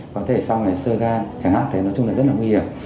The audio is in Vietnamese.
có thể sau ngày sơ gan kháng thể nó trông là rất là nguy hiểm